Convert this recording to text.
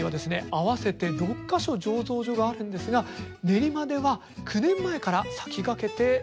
合わせて６か所醸造所があるんですが練馬では９年前から先駆けて造っているということなんです。